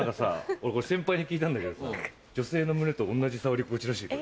俺これ先輩に聞いたんだけどさ女性の胸と同じ触り心地らしい。